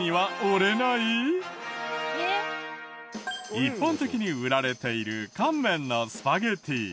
一般的に売られている乾麺のスパゲッティ。